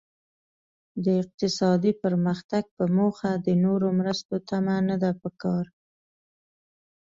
د اقتصادي پرمختګ په موخه د نورو مرستو تمه نده پکار.